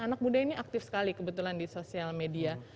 anak muda ini aktif sekali kebetulan di sosial media